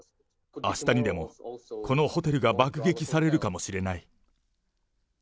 あしたにでも、このホテルが爆撃されるかもしれない。